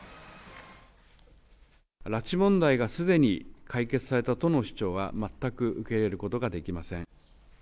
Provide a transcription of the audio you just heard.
拉致問題がすでに解決されたとの主張は、全く受け入れることができません。